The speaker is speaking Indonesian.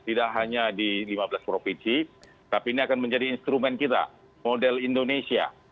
tidak hanya di lima belas provinsi tapi ini akan menjadi instrumen kita model indonesia